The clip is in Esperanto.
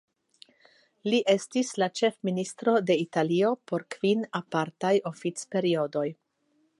Li estis la ĉefministro de Italio por kvin apartaj oficperiodoj.